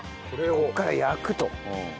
ここから焼くと。